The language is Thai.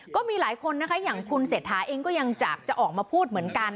ก็มีหลายคนนะคะอย่างคุณเศรษฐาเองก็ยังอยากจะออกมาพูดเหมือนกัน